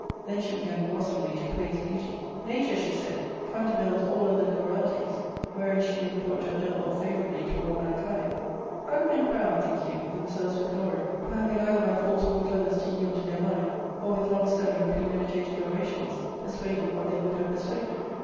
Then she began glossingly to praise beauty. " Nature," she said, countervails all other liberali ties, wherein she maybe thought to have dealt more favourably toward mankind. How do men crown, think you, themselves with glory, for having either by force brought others to yield to their mind, or, with long study and premeditated orations, persuaded what they would have persuaded